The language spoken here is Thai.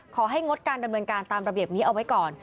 งดการดำเนินการตามระเบียบนี้เอาไว้ก่อน